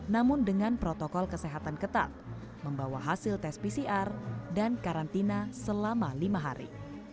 namun dengan protokol kesehatan ketat membawa hasil tes pcr dan karantina selama lima hari